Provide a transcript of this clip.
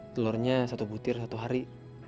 telurnya satu butir satu hari